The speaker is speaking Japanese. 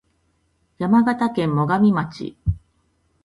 山形県最上町